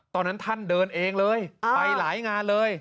ตอนนั้นท่านเดินเองเลยไปหลายงานเลย